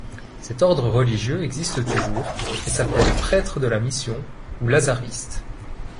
Cet ordre religieux existe toujours et s'appelle prêtres de la Mission ou Lazaristes.